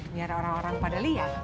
biar orang orang pada lihat